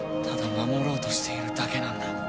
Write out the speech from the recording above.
ただ守ろうとしているだけなんだ。